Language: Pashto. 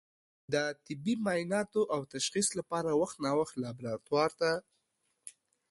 د طبي معایناتو او تشخیص لپاره وخت نا وخت لابراتوار ته